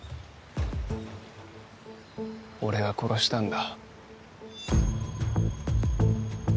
俺が殺したんだ。